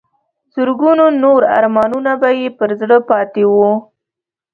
زرګونو نور ارمانونه به یې پر زړه پاتې وو.